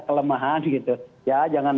kelemahan ya jangan